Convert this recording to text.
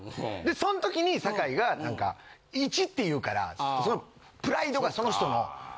そん時に酒井が何か「１」って言うからプライドがその人の。